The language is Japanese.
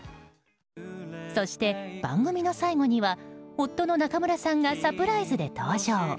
そして番組の最後には夫の中村さんがサプライズで登場。